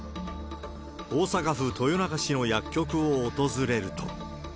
大阪府豊中市の薬局を訪れると。